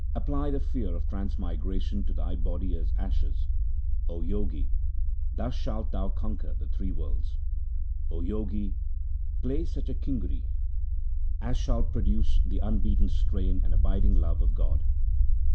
Apply the fear of transmigration to thy body as ashes, O Jogi, thus shalt thou conquer the three worlds. O Jogi, play such a kinguri 72 THE SIKH RELIGION As shall produce the unbeaten strain and abiding love of God.